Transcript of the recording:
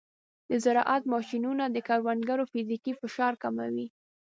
د زراعت ماشینونه د کروندګرو فزیکي فشار کموي.